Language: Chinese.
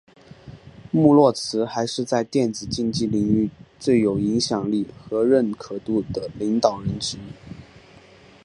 穆洛兹还是在电子竞技领域最有影响力和认可度的领导人之一。